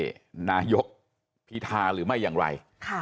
อย่างนี้ว่าภูมิใจไทยจะโหวนให้นายกพิทาหรือไม่อย่างไร